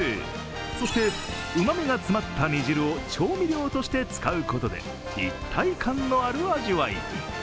そして、旨味が詰まった煮汁を調味料として使うことで一体感のある味わいに。